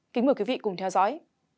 kính mời quý vị cùng theo dõi